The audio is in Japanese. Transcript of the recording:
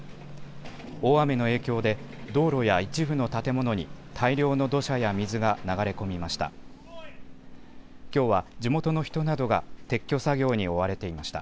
大雨の影響で、道路や一部の建物に大量の土砂や水が流れ込みました。